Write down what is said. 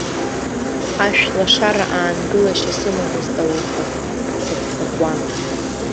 Ашәлашара аангылашьа сымамызт ауха, сыццакуан.